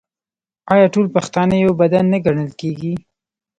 آیا ټول پښتانه یو بدن نه ګڼل کیږي؟